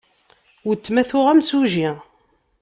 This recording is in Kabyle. Weltma tuɣ imsujji.